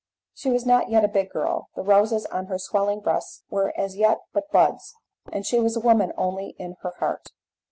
She was not yet a big girl, the roses on her swelling breasts were as yet but buds, and she was a woman only in her heart.